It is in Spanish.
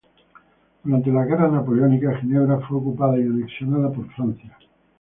Durante las guerras Napoleónicas, Ginebra fue ocupada y anexionada por Francia.